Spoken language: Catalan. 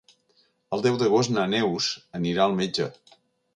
El deu d'agost na Neus anirà al metge.